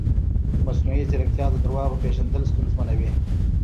مصنوعي ځیرکتیا د دروغو پېژندل ستونزمنوي.